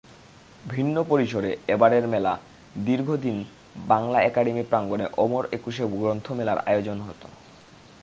ভিন্ন পরিসরে এবারের মেলাদীর্ঘদিন বাংলা একাডেমি প্রাঙ্গণে অমর একুশে গ্রন্থমেলার আয়োজন হতো।